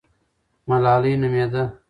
ملالۍ نومېده.